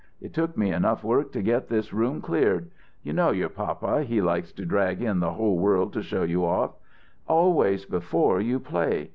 It took me enough work to get this room cleared. You know your papa he likes to drag in the whole world to show you off always just before you play.